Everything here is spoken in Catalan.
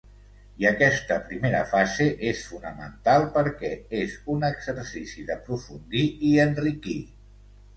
I aquesta primera fase és fonamental perquè és un exercici d’aprofundir i enriquir.